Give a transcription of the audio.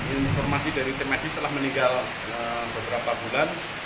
informasi dari tim medis telah meninggal beberapa bulan